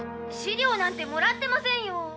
資料なんてもらってませんよ。